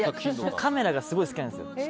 カメラがすごい好きなんですよ。